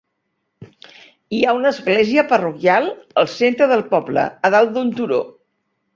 Hi ha una església parroquial al centre del poble a dalt d'un turó.